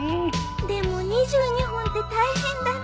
でも２２本って大変だね。